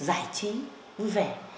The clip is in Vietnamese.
giải trí vui vẻ